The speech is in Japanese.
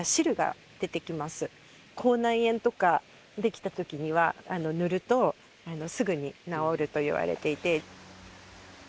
口内炎とか出来たときには塗るとすぐに治るといわれていて。